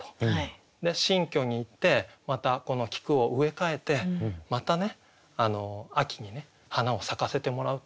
新居に行ってまたこの菊を植え替えてまたね秋にね花を咲かせてもらうと。